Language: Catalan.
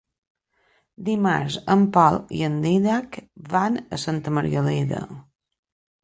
Dimarts en Pol i en Dídac van a Santa Margalida.